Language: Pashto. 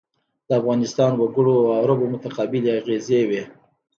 د افغانستان وګړو او عربو متقابلې اغېزې وې.